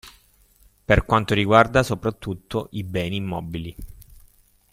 Per quanto riguarda soprattutto i beni immobili.